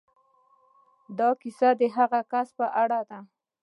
دا کيسه د هغه کس په اړه ده.